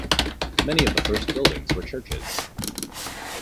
Many of the first buildings were churches.